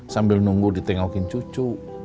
sambil nunggu di tengokin cucu